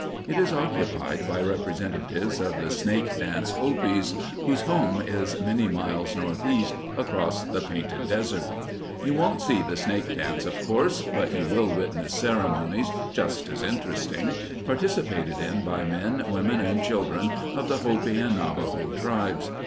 It is occupied by representatives of the Snake Dance Hopis, whose home is many miles northeast across the Painted Desert. You won't see the Snake Dance, of course, but you will witness ceremonies just as interesting, participated in by men, women and children of the Hopi and Navajo tribes.